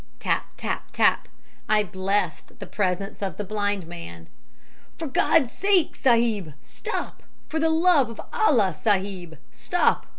"Tap! tap! tap! I blessed the presence of the blind man. "'For God's sake, sahib, stop! For the love of Allah, sahib, stop!'